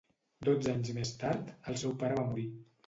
Dotze anys més tard, el seu pare va morir.